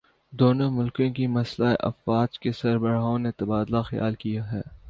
دونوں ملکوں کی مسلح افواج کے سربراہوں نے تبادلہ خیال کیا ہے